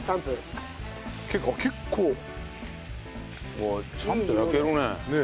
すごいちゃんと焼けるね。